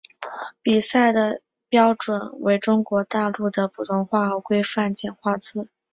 比赛的标准为中国大陆的普通话和规范简化字。